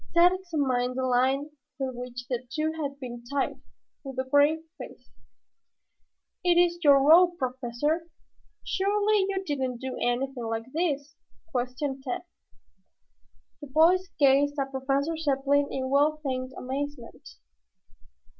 Tad examined the line with which the two had been tied, with a grave face. "It is your rope, Professor. Surely, you didn't do anything like this?" questioned Tad. The boys gazed at Professor Zepplin in well feigned amazement.